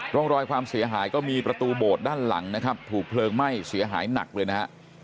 ร่องรอยความเสียหายก็มีประตูโบสถด้านหลังนะครับถูกเพลิงไหม้เสียหายหนักเลยนะฮะ